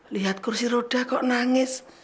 lihat kursi roda kok nangis